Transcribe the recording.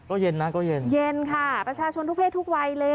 ก็เย็นนะก็เย็นเย็นค่ะประชาชนทุกเพศทุกวัยเลย